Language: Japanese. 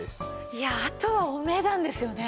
いやああとはお値段ですよね。